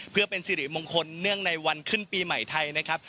เพื่อเป็นสิริมงคลเนื่องในวันขึ้นปีใหม่ไทยนะครับ